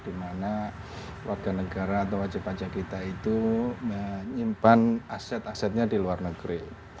di mana warga negara atau wajib pajak kita itu menyimpan aset asetnya di luar negeri